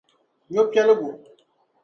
nyɔ' piɛligu.